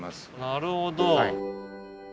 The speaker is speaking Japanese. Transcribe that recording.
なるほど。